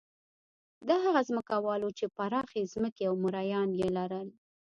دا هغه ځمکوال وو چې پراخې ځمکې او مریان یې لرل.